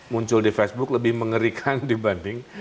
muncul di facebook lebih mengerikan dibanding